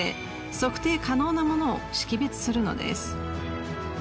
測定可能なものを識別するのです。